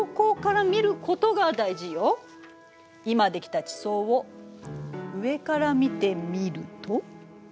今できた地層を上から見てみると？